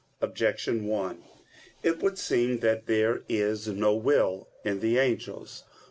Objection 1: It would seem that there is no will in the angels.